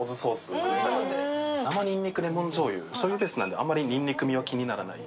生にんにくレモンじょうゆしょうゆベースなので、あまりにんにくは気にならない。